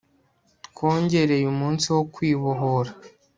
twongereye umunsi wo kwibohora